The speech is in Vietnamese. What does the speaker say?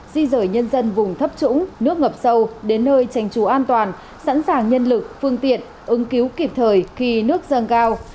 di rời nhân dân vùng thấp trũng nước ngập sâu đến nơi tránh trú an toàn sẵn sàng nhân lực phương tiện ứng cứu kịp thời khi nước dâng cao